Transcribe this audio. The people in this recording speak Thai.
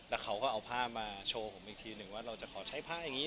แล้วเขาก็เอาผ้ามาโชว์ผมอีกทีหนึ่งว่าเราจะขอใช้ผ้าอย่างนี้